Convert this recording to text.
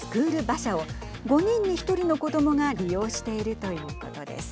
馬車を５人に１人の子どもが利用しているということです。